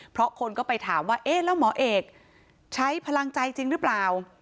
เพราะคนก็ไปถามว่าเอ๊ะแล้วหมอเอกใช้พลังใจจริงหรือเปล่า